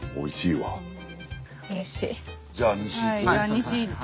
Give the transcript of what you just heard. はいじゃあ西行って。